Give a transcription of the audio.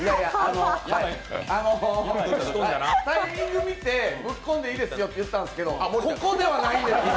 タイミング見てぶっこんでいいですよと言ったんですけどここではないんですよ。